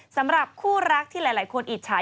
สำหรับคู่รักที่หลายคนอิจฉา